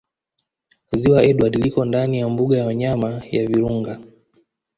Ziwa Edward liko ndani ya Mbuga ya wanyama ya Virunga